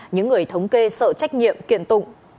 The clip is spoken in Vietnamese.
những người thống kê sợ trách nhiệm kiện tụng